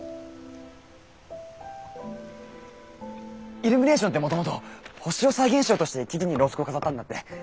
イルミネーションってもともと星を再現しようとして木々にろうそくを飾ったんだって。